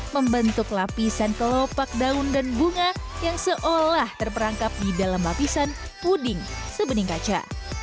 membentuk lapisan kelopak daun dan bunga yang seolah terperangkap di dalam lapisan puding sebening kaca